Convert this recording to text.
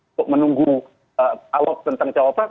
untuk menunggu awal tentang cawapres